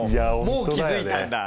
もう気付いたんだ。